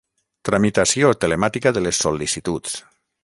Tramitació telemàtica de les sol·licituds.